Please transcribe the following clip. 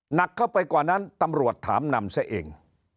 หนักเข้าไปกว่านั้นตำรวจถามนำซะเอง